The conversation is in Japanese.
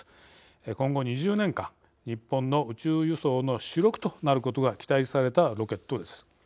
今後２０年間日本の宇宙輸送の主力となることが期待されたロケットです。